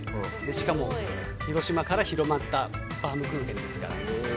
しかも、広島から広まったバウムクーヘンですから。